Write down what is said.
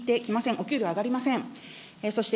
お給料上がりません。